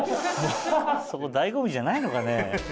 そこ醍醐味じゃないのかね。